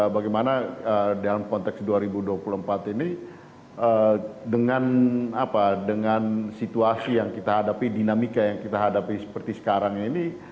bagaimana dalam konteks dua ribu dua puluh empat ini dengan situasi yang kita hadapi dinamika yang kita hadapi seperti sekarang ini